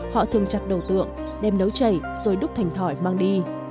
họ thường chặt đầu tượng đem nấu chảy rồi đúc thành thỏi mang đi